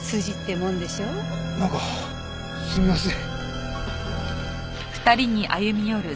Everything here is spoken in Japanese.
なんかすみません。